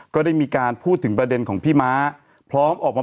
ก็ได้มีการพูดถึงประเด็นของพี่ม้าพร้อมออกมา